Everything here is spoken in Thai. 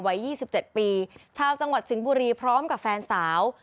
วัย๒๗ปีชาวจังหวัดสิงห์บุรีพร้อมกับแฟนสาว